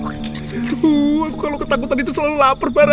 aduh aku kalau ketakutan itu selalu lapar bara